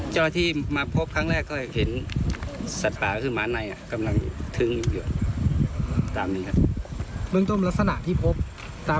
เจ้าหน้าที่มาพบครั้งแรกก็เห็นสัตว์ป่าคือหมาไนทรงกำลังถึงตรงนี้ครับ